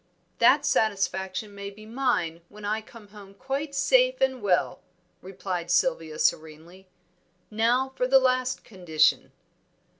'" "That satisfaction may be mine when I come home quite safe and well," replied Sylvia, serenely. "Now for the last condition."